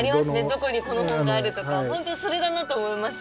どこにこの本があるとか本当にそれだなと思いました。